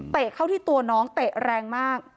เข้าที่ตัวน้องเตะแรงมาก